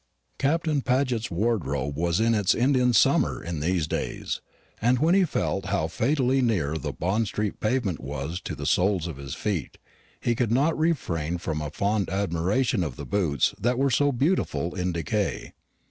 Captain Paget's wardrobe was in its Indian summer in these days; and when he felt how fatally near the Bond street pavement was to the soles of his feet, he could not refrain from a fond admiration of the boots that were so beautiful in decay.